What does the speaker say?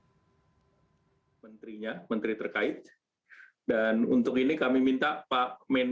dan untuk ini kami minta pak menteri terkait dan untuk ini kami minta pak menteri terkait dan untuk ini kami minta pak